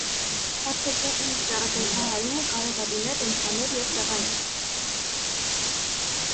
Արտաքին ճառագայթահարումը կարող է լինել ընդհանուր և տեղային։